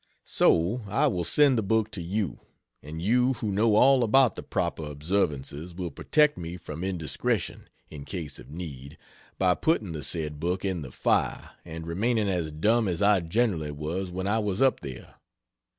So I will send the book to you, and you who know all about the proper observances will protect me from indiscretion, in case of need, by putting the said book in the fire, and remaining as dumb as I generally was when I was up there.